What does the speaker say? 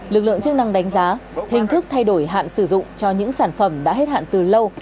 lực lượng chức năng đánh giá hình thức thay đổi hạn sử dụng cho những sản phẩm đã hết hạn từ lâu